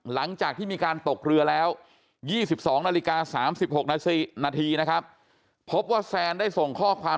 หลังจากที่มีการตกเรือแล้ว๒๒นาฬิกา๓๖นาทีนะครับพบว่าแซนได้ส่งข้อความ